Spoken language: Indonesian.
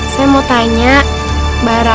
di mana dulu